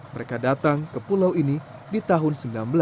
mereka datang ke pulau ini di tahun seribu sembilan ratus delapan puluh